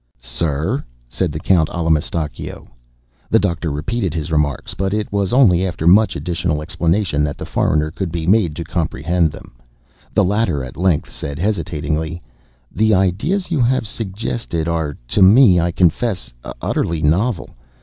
"Sir!" said the Count Allamistakeo. The Doctor repeated his remarks, but it was only after much additional explanation that the foreigner could be made to comprehend them. The latter at length said, hesitatingly: "The ideas you have suggested are to me, I confess, utterly novel.